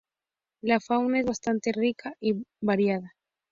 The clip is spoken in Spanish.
La fauna es bastante rica y variada.